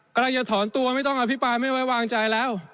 กำลังจะถอนตัวไม่ต้องอภิปรายไม่ไว้วางใจแล้ว